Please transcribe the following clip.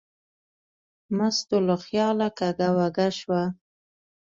مستو له خیاله کږه وږه شوه.